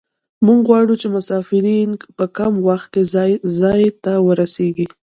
موږ غواړو چې مسافرین په کم وخت کې ځای ته ورسیږي